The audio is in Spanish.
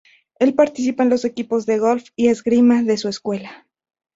Él participa en los equipos de golf y esgrima de su escuela.